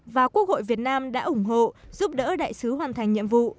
và quốc hội việt nam đã ủng hộ giúp đỡ đại sứ hoàn thành nhiệm vụ